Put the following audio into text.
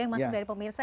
yang masuk dari pemirsa